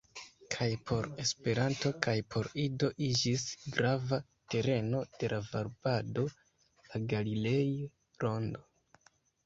Kaj por Esperanto, kaj por Ido iĝis grava tereno de la varbado la Galilei-Rondo.